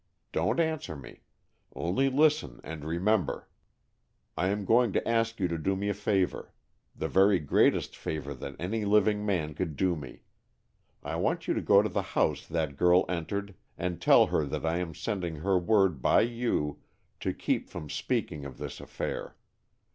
Don't answer me. Only listen and remember. I am going to ask you to do me a favor, the very greatest favor that any living man could do me. I want you to go to the house that girl entered and tell her that I am sending her word by you to keep from speaking of this affair.